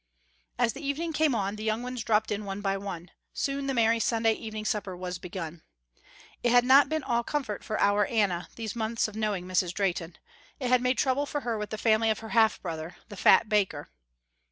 As the evening came on the young ones dropped in one by one. Soon the merry Sunday evening supper was begun. It had not been all comfort for our Anna, these months of knowing Mrs. Drehten. It had made trouble for her with the family of her half brother, the fat baker.